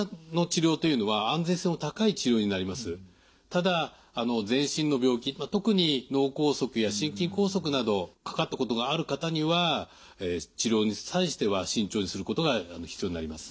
ただ全身の病気特に脳梗塞や心筋梗塞などかかったことがある方には治療に際しては慎重にすることが必要になります。